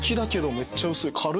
めっちゃ薄い軽い。